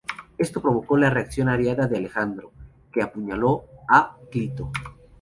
Esto provocó la reacción airada de Alejandro, que apuñaló a Clito.